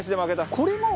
これもう。